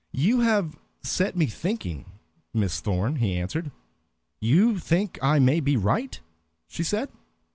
"You have set me thinking, Miss Thorn," he answered. "You think I may be right?" she said.